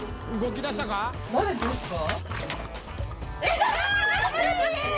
誰ですか？